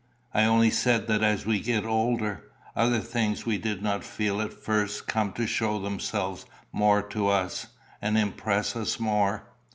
I only said that as we get older, other things we did not feel at first come to show themselves more to us, and impress us more."